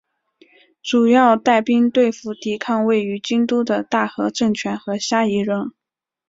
主要带兵对付抵抗位于京都的大和政权的虾夷人。